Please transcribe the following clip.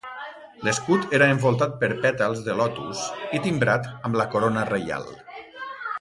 L'escut era envoltat per pètals de lotus i timbrat amb la corona reial.